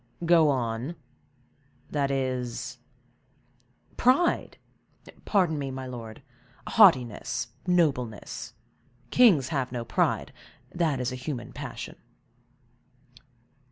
"Go on—that is?" "Pride! Pardon me, my lord, haughtiness, nobleness; kings have no pride, that is a human passion."